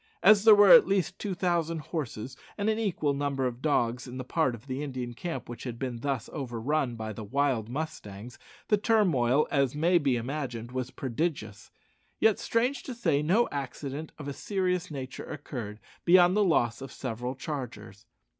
As there were at least two thousand horses and an equal number of dogs in the part of the Indian camp which had been thus overrun by the wild mustangs, the turmoil, as may be imagined, was prodigious! Yet, strange to say, no accident of a serious nature occurred beyond the loss of several chargers.